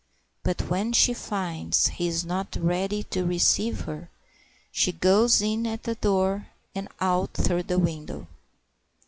But when she finds he is not ready to receive her, she goes in at the door and out through the window."